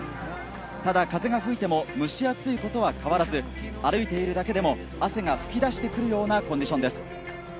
ただ、風が吹いても、蒸し暑いことは変わらず、歩いているだけでも、汗が噴き出してくるようなコンディションです。